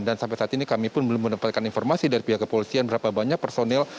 dan sampai saat ini kami pun belum mendapatkan informasi dari pihak kepolisian berapa banyak personil